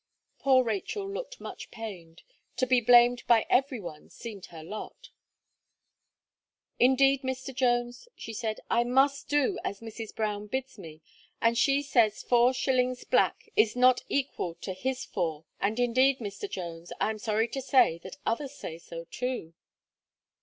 Poor Rachel looked much pained. To be blamed by every one seemed her lot. "Indeed, Mr. Jones," she said, "I must do as Mrs. Brown bids me, and she says your four shilling black is not equal to his four, and, indeed, Mr. Jones, I am sorry to say, that others say so too."